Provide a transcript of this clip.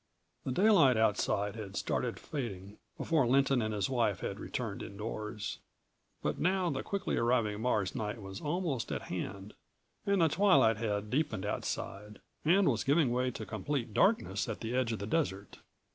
The daylight outside had started fading before Lynton and his wife had returned indoors. But now the quickly arriving Mars' night was almost at hand, and the twilight had deepened outside and was giving way to complete darkness at the edge of the desert.